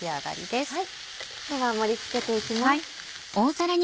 では盛り付けて行きます。